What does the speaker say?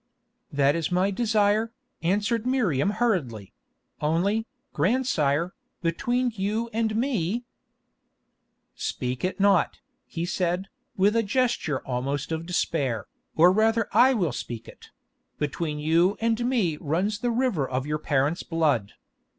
"That is my desire," answered Miriam hurriedly; "only, grandsire, between you and me——" "Speak it not," he said, with a gesture almost of despair, "or rather I will speak it—between you and me runs the river of your parents' blood.